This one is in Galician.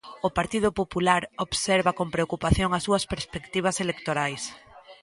O Partido Popular observa con preocupación as súas perspectivas electorais.